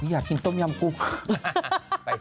ทุกคนอยากกินต้มยำกุ๊บ